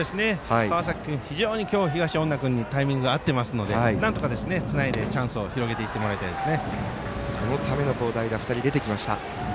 川崎君、今日、東恩納君にタイミングが合ってますのでなんとかつないでチャンスをつなげていってほしいです。